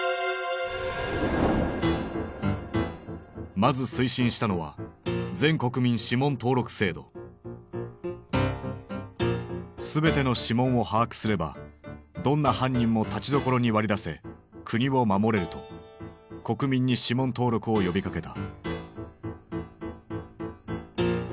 まず推進したのは全ての指紋を把握すればどんな犯人もたちどころに割り出せ国を守れると国民に指紋登録を呼びかけた。